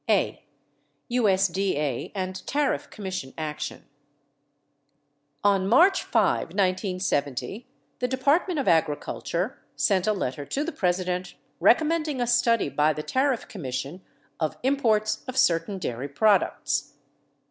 a. USD A and Tariff C dm/mission Action 63 On March 5, 1970, the Department of Agriculture sent a letter to the President recommending a study by the Tariff Commission of im ports of certain dairy products.